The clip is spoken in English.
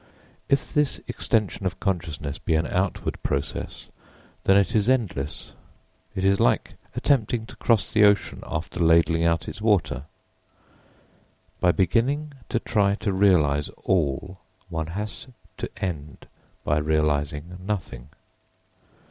If this extension of consciousness be an outward process, then it is endless; it is like attempting to cross the ocean after ladling out its water. By beginning to try to realise all, one has to end by realising nothing.